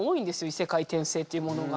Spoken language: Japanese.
異世界・転生っていうものが。